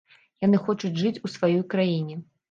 Яны хочуць жыць у сваёй краіне.